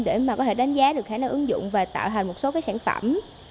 để mà có thể đánh giá được khả năng ứng dụng và tạo thành một số cái sản phẩm